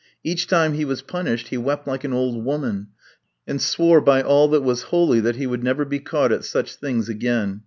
Each time he was punished he wept like an old woman, and swore by all that was holy that he would never be caught at such things again.